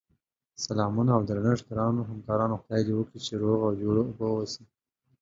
سلامونه اودرنښت ګراونوهمکارانو خدای دی وکړی چی روغ اوجوړبه اووسی